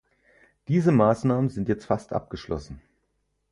Diese Maßnahmen sind jetzt fast abgeschlossen.